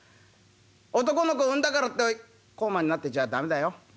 男の子産んだからって高慢になってちゃ駄目だよ。